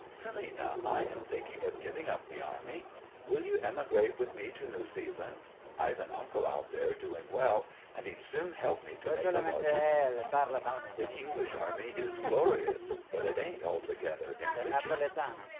'Selina, I am thinking of giving up the army. Will you emigrate with me to New Zealand? I've an uncle out there doing well, and he'd soon help me to making a larger income. The English army is glorious, but it ain't altogether enriching.'